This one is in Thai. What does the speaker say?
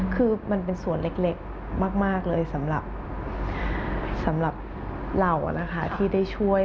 คือมันเป็นส่วนเล็กมากเลยสำหรับเรานะคะที่ได้ช่วย